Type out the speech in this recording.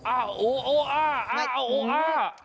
อ้าวโออ้าวอ้าวโออ้าว